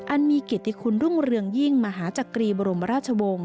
อันมีเกียรติคุณรุ่งเรืองยิ่งมหาจักรีบรมราชวงศ์